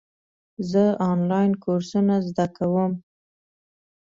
زه آنلاین کورسونه زده کوم.